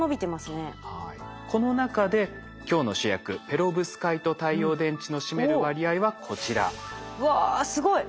この中で今日の主役ペロブスカイト太陽電池の占める割合はこちら。わすごい。